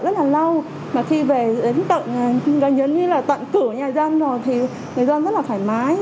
rất là lâu mà khi về đến tận dưới như là tận cửa nhà dân rồi thì người dân rất là thoải mái